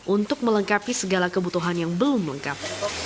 untuk melengkapi segala kebutuhan yang belum lengkap